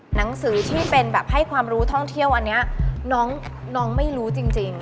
หนังสือที่เป็นแบบให้ความรู้ท่องเที่ยวอันนี้น้องไม่รู้จริง